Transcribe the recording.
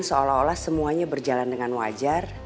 seolah olah semuanya berjalan dengan wajar